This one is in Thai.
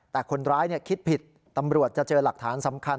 แต่คนร้ายคิดผิดตำรวจจะเจอหลักฐานสำคัญ